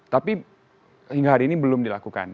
tapi hingga hari ini belum dilakukan